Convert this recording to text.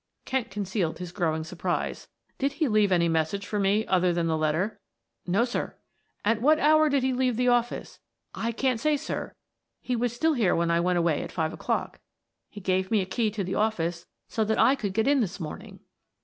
Kent concealed his growing surprise. "Did he leave any message for me, other than the letter?" "No, sir. "At what hour did he leave the office?" "I can't say, sir; he was still here when I went away at five o'clock. He gave me a key to the office so that I could get in this morning."